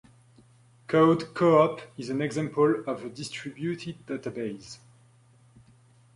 Code Co-op is an example of a distributed database.